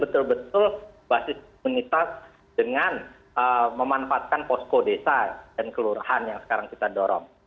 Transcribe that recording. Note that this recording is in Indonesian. betul betul basis komunitas dengan memanfaatkan posko desa dan kelurahan yang sekarang kita dorong